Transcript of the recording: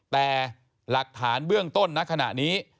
แต่หลักฐานเบื้องต้นณขณะนี้